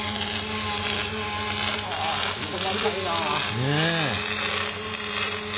ねえ。